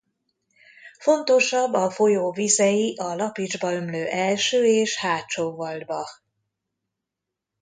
Fontosabb a folyóvizei a Lapincsba ömlő Első- és Hátsó-Waldbach.